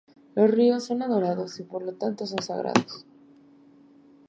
Los ríos son adorados y por lo tanto, son sagrados.